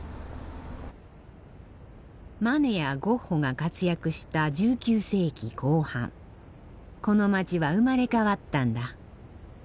マネやゴッホが活躍した１９世紀後半この街は生まれ変わったんだ。